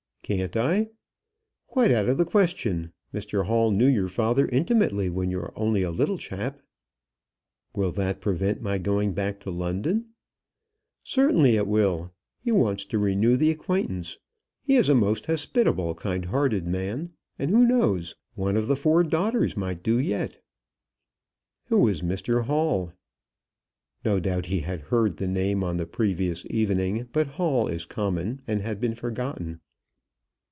"Can't I?" "Quite out of the question. Mr Hall knew your father intimately when you were only a little chap." "Will that prevent my going back to London?" "Certainly it will. He wants to renew the acquaintance. He is a most hospitable, kind hearted man; and who knows, one of the four daughters might do yet." "Who is Mr Hall?" No doubt he had heard the name on the previous evening; but Hall is common, and had been forgotten.